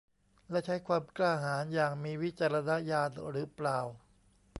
และใช้ความกล้าหาญอย่างมีวิจารณญาณหรือเปล่า